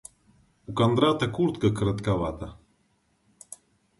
У Кондрата куртка коротковата.